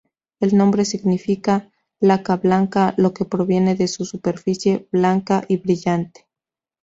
El nombre significa "laca blanca", lo que proviene de su superficie, blanca y brillante.